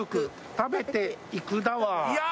「食べていくだわー！」